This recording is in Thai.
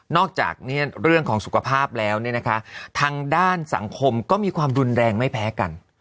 จากเรื่องของสุขภาพแล้วทางด้านสังคมก็มีความรุนแรงไม่แพ้กัน